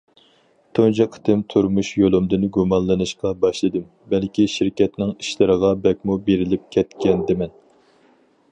تۇنجى قېتىم تۇرمۇش يولۇمدىن گۇمانلىنىشقا باشلىدىم، بەلكىم شىركەتنىڭ ئىشلىرىغا بەكمۇ بېرىلىپ كەتكەندىمەن.